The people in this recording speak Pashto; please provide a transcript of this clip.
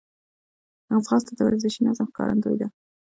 ځغاسته د ورزشي نظم ښکارندوی ده